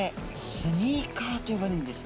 スニーカーと呼ばれるんです。